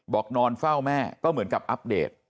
นอนเฝ้าแม่ก็เหมือนกับอัปเดต